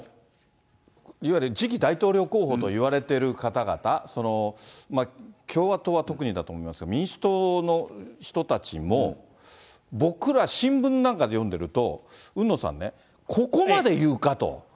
いわゆる次期大統領候補といわれてる方々、共和党は特にだと思いますが、民主党の人たちも、僕ら新聞なんかで読んでると、海野さんね、ここまで言うかと。